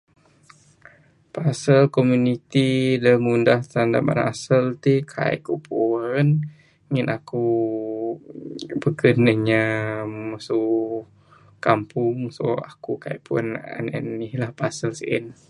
Pasal komuniti da ngundah [unintelligible] asal tik kai aku pu'an. Ngin aku' bekun ne inya su kampung. So aku' kai pu'an anih anih lah pasal sien.